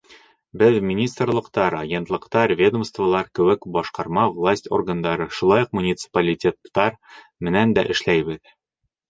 Беҙ министрлыҡтар, агентлыҡтар, ведомстволар кеүек башҡарма власть органдары, шулай уҡ муниципалитеттар менән дә эшләйбеҙ.